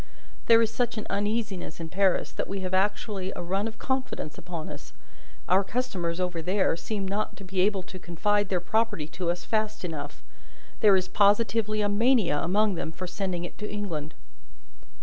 There is such an uneasiness in Paris, that we have actually a run of confidence upon us! Our customers over there, seem not to be able to confide their property to us fast enough. There is positively a mania among some of them for sending it to England."